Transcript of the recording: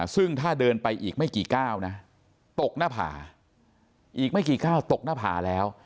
ซึ่งถ้าเดินไปอีกไม่กี่ก้าวนะตกหน้าผาอีกไม่กี่ก้าวตกหน้าผาแล้ว